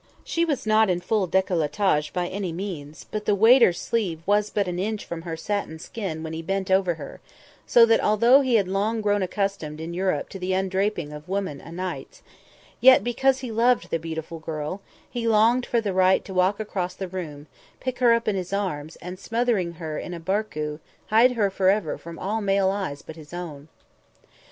She was not in full décollétage by any means, but the waiter's sleeve was but an inch from her satin skin when he bent over her, so that, although he had long grown accustomed in Europe to the undraping of woman o' nights, yet, because he loved the beautiful girl, he longed for the right to walk across the room, pick her up in his arms, and, smothering her in a barku, hide her forever from all male eyes but his own.